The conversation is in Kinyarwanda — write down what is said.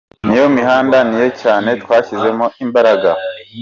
N’iyo mihanda niyo cyane twashyizemo imbaraga.